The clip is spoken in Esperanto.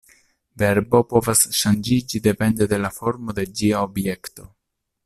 Verbo povas ŝanĝiĝi depende de la formo de ĝia objekto.